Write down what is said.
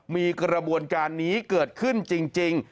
มีกระบวนการนี้เกิดขึ้นจริง